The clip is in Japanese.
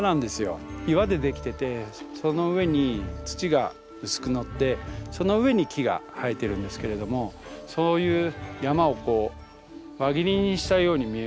岩でできててその上に土が薄くのってその上に木が生えてるんですけれどもそういう山をこう輪切りにしたように見えますよね。